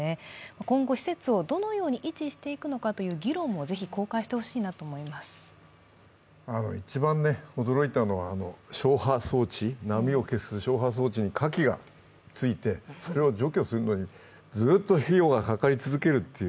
今後施設をどのように維持していくのかの議論も一番驚いたのは、消波装置にカキがついて、それを除去するのにずっと費用がかかり続けるという。